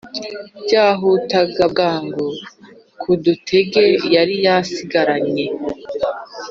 byahutaga bwangu udutege yari asigaranye